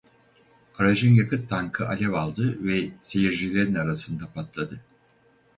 Aracın yakıt tankı alev aldı ve seyircilerin arasında patladı.